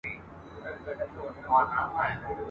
روانه ده او د دې ویرژلي اولس ..